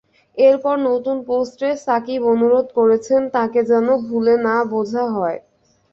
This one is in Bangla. এরপর নতুন পোস্টে সাকিব অনুরোধ করেছেন তাঁকে যেন ভুল না বোঝা হয়।